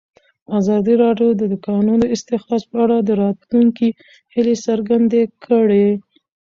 ازادي راډیو د د کانونو استخراج په اړه د راتلونکي هیلې څرګندې کړې.